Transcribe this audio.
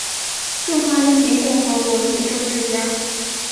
中华人民共和国女政治家。